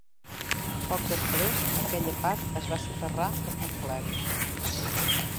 Poc després, aquella part es va soterrar per complet.